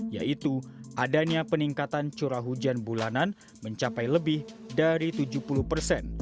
yaitu adanya peningkatan curah hujan bulanan mencapai lebih dari tujuh puluh persen